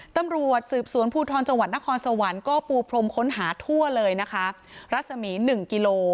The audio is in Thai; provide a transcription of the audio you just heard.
ตำรวจสืบสวนผู่ทอนจังหวัดณครสวรรค์ก็ปูพรมค้นหาทั่วรัศมี๑กิโล